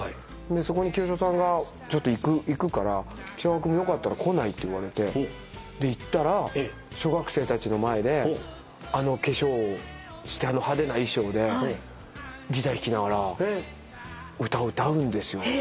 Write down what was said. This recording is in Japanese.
そこに清志郎さんが行くから「北川君もよかったら来ない？」って言われて行ったら小学生たちの前であの化粧してあの派手な衣装でギター弾きながら歌を歌うんですよ。